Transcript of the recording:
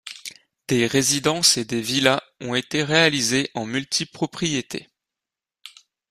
Des résidences et des villas ont été réalisées en multipropriété.